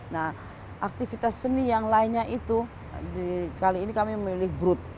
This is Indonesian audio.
nah aktivitas seni yang lainnya itu kali ini kami memilih brut